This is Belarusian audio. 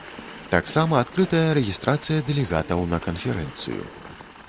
Таксама адкрытая рэгістрацыя дэлегатаў на канферэнцыю.